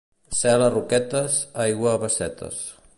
Cel a roquetes, aigua a bassetes.